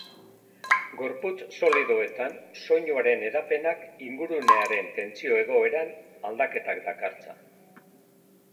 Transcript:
Gorputz solidoetan, soinuaren hedapenak ingurunearen tentsio-egoeran aldaketak dakartza.